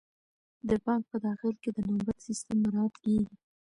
د بانک په داخل کې د نوبت سیستم مراعات کیږي.